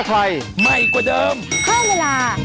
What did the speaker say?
ก็ได้แล้ว